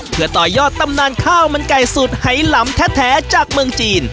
เพื่อต่อยอดตำนานข้าวมันไก่สูตรไหลำแท้จากเมืองจีน